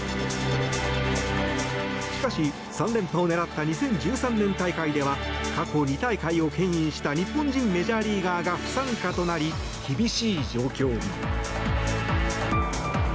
しかし、３連覇を狙った２０１３年大会では過去２大会をけん引した日本人メジャーリーガーが不参加となり、厳しい状況に。